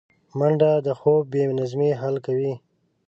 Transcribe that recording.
منډه د خوب بې نظمۍ حل کوي